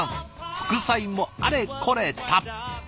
副菜もあれこれたっぷり。